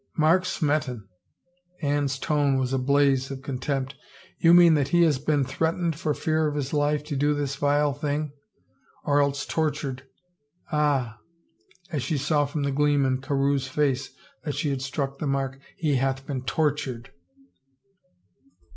" Mark Smeton !" Anne's tone was a blaze of con tempt. " You mean that he has been threatened for fear of his life to do this vile thing — or else tortured. Ah 1 " As she saw from the gleam in Carewe's face that she had struck the mark, " He hath been tor^ tured!"